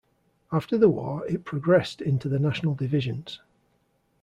After the War it progressed into the national divisions.